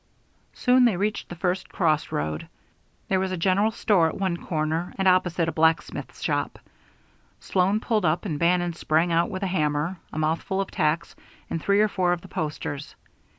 Soon they reached the first crossroad. There was a general store at one corner, and, opposite, a blacksmith's shop. Sloan pulled up and Bannon sprang out with a hammer, a mouthful of tacks, and three or four of the posters.